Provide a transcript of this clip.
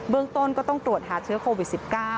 ต้นก็ต้องตรวจหาเชื้อโควิด๑๙